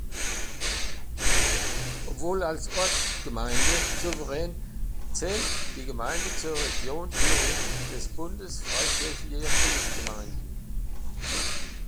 Obwohl als Ortsgemeinde souverän, zählt die Gemeinde zur Region Thüringen des Bundes Freikirchlicher Pfingstgemeinden.